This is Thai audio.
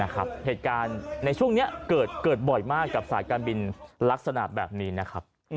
เหตุการณ์ในช่วงนี้เกิดบ่อยมากกับสายการบินลักษณะแบบนี้นะครับ